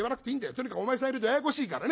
とにかくお前さんいるとややこしいからね。